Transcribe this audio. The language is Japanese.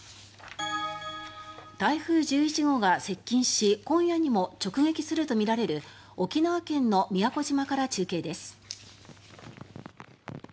台風１１号が接近し今夜にも直撃するとみられる沖縄県の宮古島から中継です。